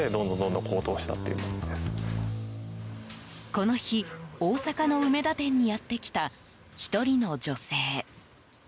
この日、大阪の梅田店にやってきた１人の女性。